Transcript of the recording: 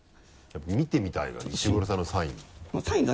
見てみたいわ石黒さんのサイン。